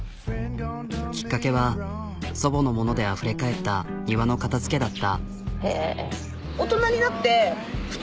きっかけは祖母のものであふれ返った庭の片づけだった。